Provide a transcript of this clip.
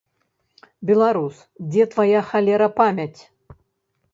Беларус, дзе твая, халера, памяць?!